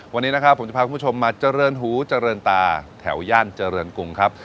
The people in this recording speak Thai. วันนี้นะครับผมจะพาคุณผู้ชมมาเจริญหูเจริญตาแถวย่านเจริญกรุงครับ